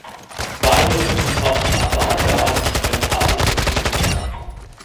Beide Hütten konnten aber auf Dauer nicht rentabel betrieben werden.